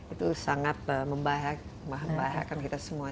itu sangat membahayakan kita semua